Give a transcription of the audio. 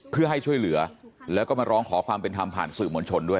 เพื่อให้ช่วยเหลือแล้วก็มาร้องขอความเป็นธรรมผ่านสื่อมวลชนด้วย